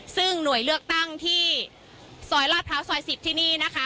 ซึ่งหน่วยเลือกตั้งที่ซอยลาดพร้าวซอย๑๐ที่นี่นะคะ